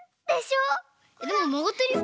でもまがってるよ？